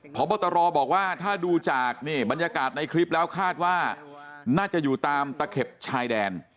พบตรบอกว่าถ้าดูจากนี่บรรยากาศในคลิปแล้วคาดว่าน่าจะอยู่ตามตะเข็บชายแดน